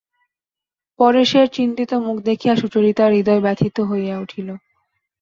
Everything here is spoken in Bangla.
পরেশের চিন্তিত মুখ দেখিয়া সুচরিতার হৃদয় ব্যথিত হইয়া উঠিল।